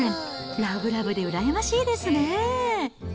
ラブラブでうらやましいですね。